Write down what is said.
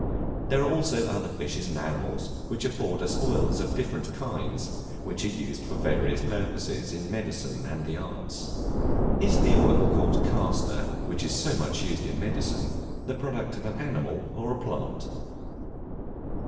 There are also other fishes and animals which afford us oils of different kinds, which are used for various purposes in medicine and the arts. Is the oil called castor, which is so much used in medicine, the product of an animal or a plant?